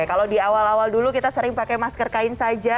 kalau di awal awal dulu kita sering pakai masker kain saja